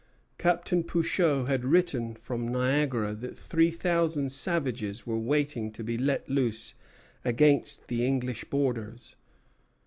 Captain Pouchot had written from Niagara that three thousand savages were waiting to be let loose against the English borders.